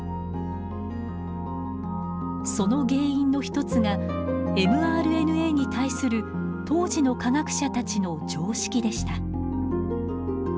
その原因の一つがｍＲＮＡに対する当時の科学者たちの常識でした。